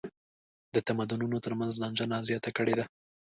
د تمدنونو تر منځ لانجه لا زیاته کړې ده.